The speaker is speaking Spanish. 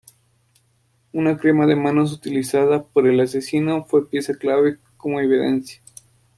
Una crema de manos utilizada por el asesino fue pieza clave como evidencia.